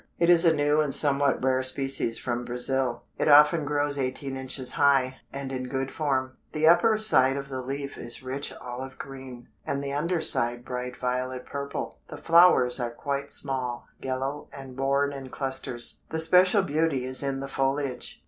It is a new and somewhat rare species from Brazil. It often grows eighteen inches high, and in good form. The upper side of the leaf is rich olive green, and the under side bright violet purple. The flowers are quite small, yellow, and borne in clusters. The special beauty is in the foliage.